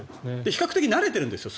比較的慣れてるんですよ